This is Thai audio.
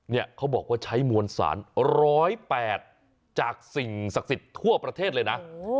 เขาบอกว่าใช้มวลสาร๑๐๘จากสิ่งศักดิ์สิทธิ์ทั่วประเทศเลยนะ